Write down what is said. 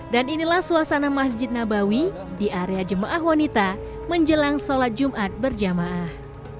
dan inilah suasana masjid nabawi di area jemaah wanita menjelang sholat jumat berjamaah